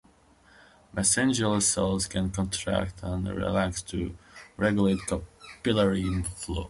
Mesangial cells can contract and relax to regulate capillary flow.